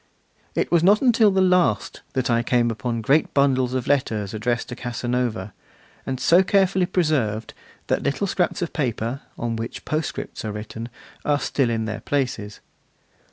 It was not until the last that I came upon great bundles of letters addressed to Casanova, and so carefully preserved that little scraps of paper, on which postscripts are written, are still in their places.